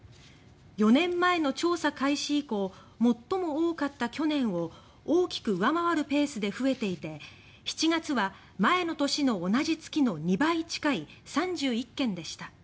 ４年前の調査開始以降最も多かった去年を大きく上回るペースで増えていて７月は前の年の同じ月の２倍近い３１件でした。